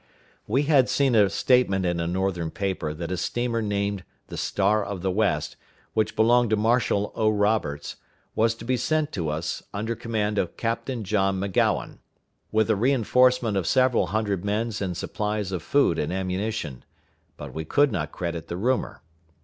We had seen a statement in a Northern paper that a steamer named the Star of the West, which belonged to Marshall O. Roberts, was to be sent to us, under command of Captain John M`Gowan, with a re enforcement of several hundred men and supplies of food and ammunition; but we could not credit the rumor.